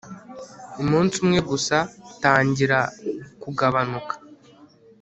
umunsi umwe gusa tangira kugabanuka